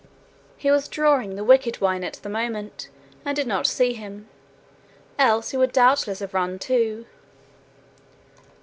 He was drawing the wicked wine at the moment, and did not see him, else he would doubtless have run too.